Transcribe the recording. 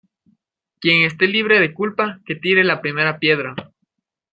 Quien esté libre de culpa que tire la primera piedra